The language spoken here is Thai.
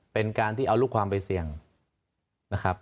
เป็นการที่เอาลูกความไปเสี่ยงนะครับ